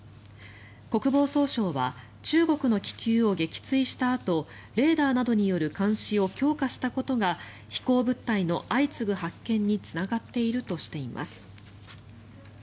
国防総省は中国の気球を撃墜したあとレーダーなどによる監視を強化したことが飛行物体の相次ぐ発見につながっているとしています。